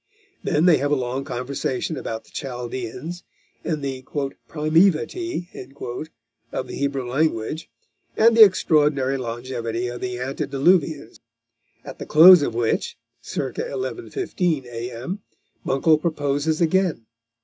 They then have a long conversation about the Chaldeans, and the "primaevity" of the Hebrew language, and the extraordinary longevity of the Antediluvians; at the close of which (circa 11.15 A.M.) Buncle proposes again.